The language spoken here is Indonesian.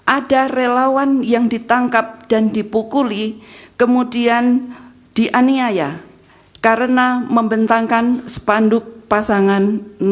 ada relawan yang ditangkap dan dipukuli kemudian dianiaya karena membentangkan sepanduk pasangan satu